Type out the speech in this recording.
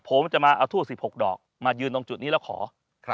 ผมจะมาเอาทูบ๑๖ดอกมายืนตรงจุดนี้แล้วขอ